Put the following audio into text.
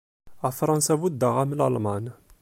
A Fransa buddeɣ-am Lalman.